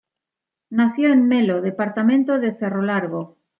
Nació en Melo, departamento de Cerro Largo.